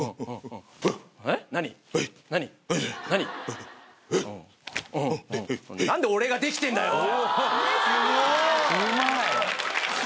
何で俺ができてんだよおい。